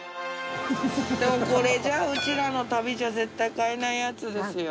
でもこれじゃあうちらの旅じゃ絶対買えないやつですよ。